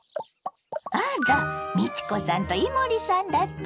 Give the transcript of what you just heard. あら美智子さんと伊守さんだったの？